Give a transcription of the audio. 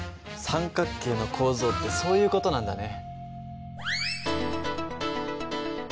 三角形の構造ってそういう事なんだね。